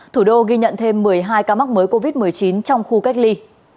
thủ đô ghi nhận thêm một mươi hai ca mắc mới covid một mươi chín trong khu cách ly